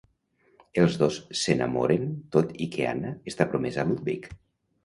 Els dos s'enamoren tot i que Anna està promesa a Ludwig.